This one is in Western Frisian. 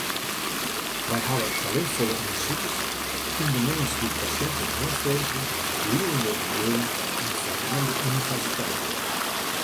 Wy hawwe talintfolle ûndersikers, ûndernimmers dy’t patinten oanfreegje, liedende bedriuwen, en ferneamde universiteiten.